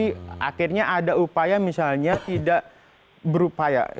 jadi akhirnya ada upaya misalnya tidak berupaya